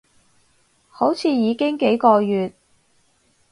好似已經幾個月